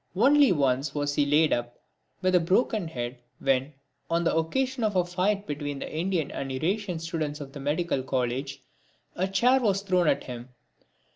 Only once was he laid up with a broken head when, on the occasion of a fight between the Indian and Eurasian students of the Medical College, a chair was thrown at him.